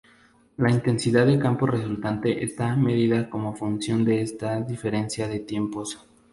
La intensidad de campo resultante está medida como función de esta diferencia de tiempos.